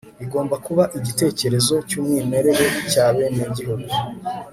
igomba kuba igitekerezo cy'umwimerere cy'abenegihugu